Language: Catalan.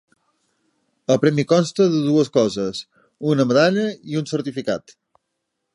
El premi consta de dues coses: una medalla i un certificat.